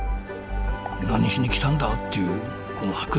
「何しに来たんだ？」っていうこの迫力。